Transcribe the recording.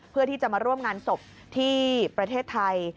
เพื่อที่จะมาร่วมงานศพที่ประเทศไทย